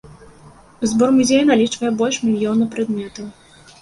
Збор музея налічвае больш мільёна прадметаў.